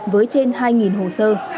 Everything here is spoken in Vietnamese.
với trên hai hồ sơ